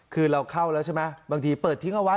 คือเราเข้าแล้วใช่ไหมบางทีเปิดทิ้งเอาไว้